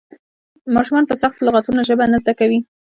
ماشومان په سختو لغتونو ژبه نه زده کوي.